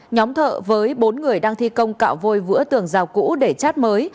nhóm thợ với bốn người đang thi công cạo vôi vữa tường rào cũ để chát mới